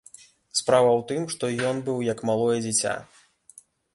Справа ў тым, што ён быў як малое дзіця.